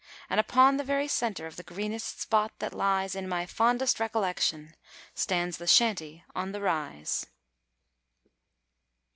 And, upon the very centre of the greenest spot that lies In my fondest recollection, stands the Shanty on the Rise.